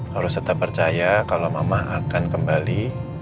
harus tetap percaya kalau mama akan kembali